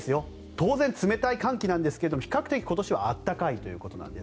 当然、冷たい寒気が比較的、今年は暖かいということなんです。